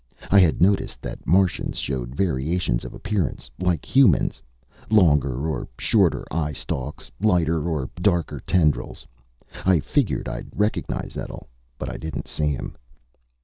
I had noticed that Martians showed variations of appearance, like humans longer or shorter eye stalks, lighter or darker tendrils.... I figured I'd recognize Etl. But I didn't see him.